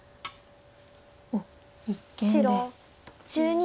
おっ一間で。